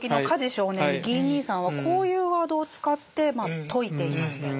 少年にギー兄さんはこういうワードを使って説いていましたよね。